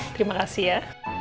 terima kasih ya